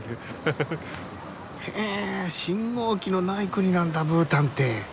へえ信号機のない国なんだブータンって。